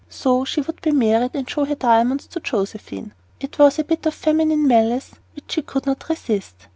So she would be married and show her diamonds to Josephine. It was a bit of feminine malice which she could not resist.